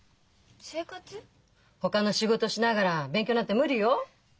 ほかの仕事しながら勉強なんて無理よ。